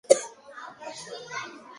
Quan va fer Gruart de professora associada?